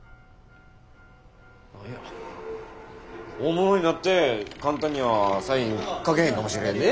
何や大物になって簡単にはサイン書けへんかもしれんで。